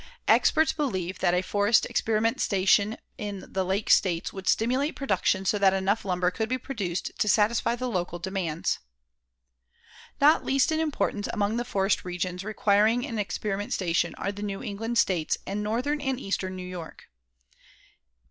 Experts believe that a forest experiment station in the Lake States would stimulate production so that enough lumber could be produced to satisfy the local demands. Not least in importance among the forest regions requiring an experiment station are the New England States and northern and eastern New York.